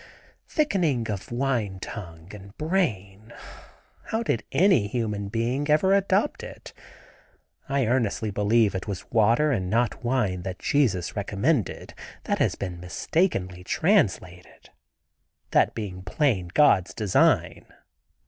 "Thickening of wine tongue and brain; how did any human being ever adopt it? I earnestly believe it was water and not wine that Jesus recommended. (That has been mistakenly translated.) That being plain God's design."